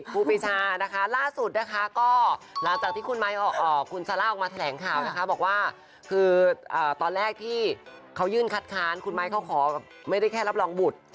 บอกว่าตอนแรกที่เขายืนขัดขานคุณไมค์เค้าขอไม่ได้แค่รับรองบุตร